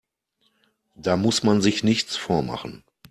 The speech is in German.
Da muss man sich nichts vormachen.